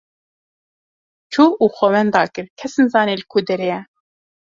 Çû û xwe wenda kir, kes nizane li ku derê ye.